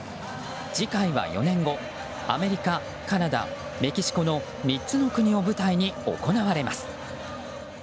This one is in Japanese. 次回は４年後アメリカ、カナダ、メキシコの３つの国を舞台に行われます。